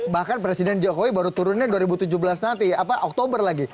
bahkan presiden jokowi baru turunnya dua ribu tujuh belas nanti oktober lagi